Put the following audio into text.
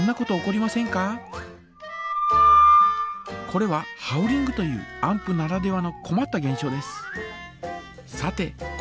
これはハウリングというアンプならではのこまったげん象です。